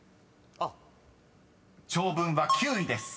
［長文は９位です］